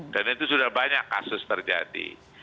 dan itu sudah banyak kasus terjadi